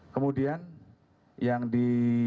kemudian yang di